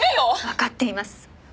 わかっています。